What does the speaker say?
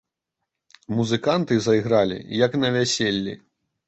Музыканты зайгралі, як на вяселлі.